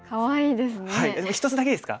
でも一つだけいいですか。